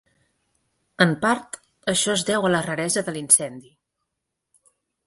En part, això es deu a la raresa de l"incendi.